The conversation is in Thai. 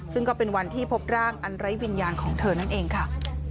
ซึ่งก็เป็นวันที่พบร่างอันไร้วิญญาณของเธอนั่นเองค่ะ